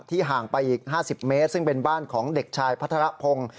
ห่างไปอีก๕๐เมตรซึ่งเป็นบ้านของเด็กชายพัทรพงศ์